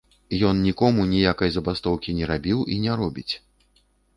Ён нікому ніякай забастоўкі не рабіў і не робіць.